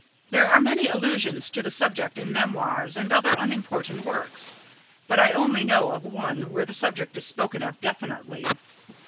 There are many allusions to the subject in memoirs and other unimportant works, but I only know of one where the subject is spoken of definitely.